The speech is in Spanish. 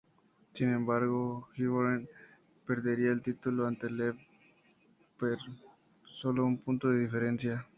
Sin embargo, Hirvonen perdería el título ante Loeb por sólo un punto de diferencia.